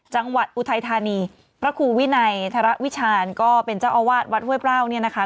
จังหวัดอุทัยธานีพระครูวินัยธรวิชาณก็เป็นเจ้าอวาดวัดเว้ยเปร่าเนี่ยนะคะ